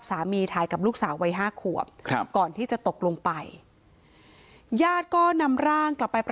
แต่ว่าลูกสาวอ่ะคล้ายคล้ายอยากนอนกับพ่อ